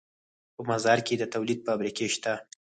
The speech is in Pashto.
په مزار کې د تولید فابریکې شته